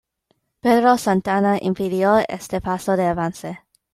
Pedro Santana impidió este paso de avance.